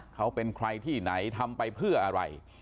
เขาเป็นใครที่ไหนทำไปเพื่ออะไร